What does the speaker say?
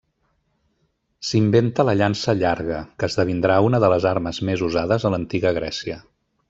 S'inventa la llança llarga, que esdevindrà una de les armes més usades a l'Antiga Grècia.